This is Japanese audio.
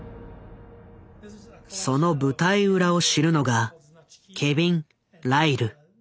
その舞台裏を知るのがケビン・ライル。